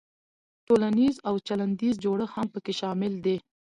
تولنیز او چلندیز جوړښت هم پکې شامل دی.